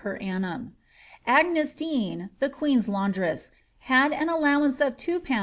per annum. Agnes Dean, the queen^s laundress, had an allowance of 22. Gs.